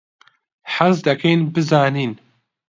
حەز دەکەین بزانین.